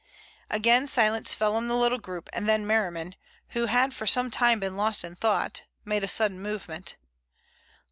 Again silence fell on the little group, and then Merriman, who had for some time been lost in thought, made a sudden movement.